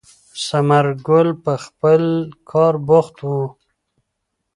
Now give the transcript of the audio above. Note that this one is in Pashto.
ثمر ګل په خپل کار بوخت و.